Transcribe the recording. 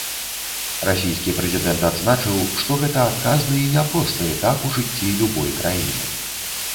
Расійскі прэзідэнт адзначыў, што гэта адказны і няпросты этап у жыцці любой краіны.